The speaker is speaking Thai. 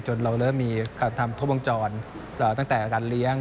จนเรามีการทำทบองจรตั้งแต่การเลี้ยง